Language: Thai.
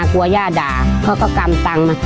กลัวย่าด่าเขาก็กำตังค์มา